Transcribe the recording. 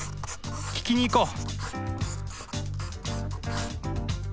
聞きに行こう！